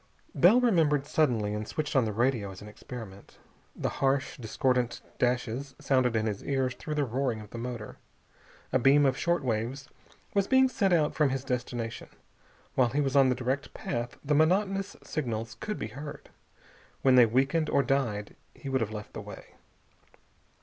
Bell remembered, suddenly, and switched on the radio as an experiment. The harsh, discordant dashes sounded in his ears through the roaring of the motor. A beam of short waves was being sent out from his destination. While he was on the direct path the monotonous signals could be heard. When they weakened or died he would have left the way.